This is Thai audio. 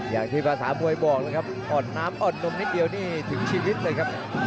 อย่างที่ภาษามวยบอกเลยครับอ่อนน้ำอ่อนนมนิดเดียวนี่ถึงชีวิตเลยครับ